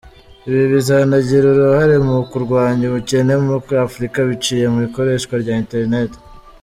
Ibi bizanagira uruhare mu kurwanya ubukene muri Afurika biciye mu ikoreshwa rya Internet”.